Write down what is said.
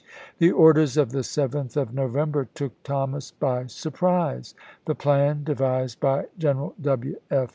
The orders of the 7th of November took Thomas by surprise. The plan devised by General W.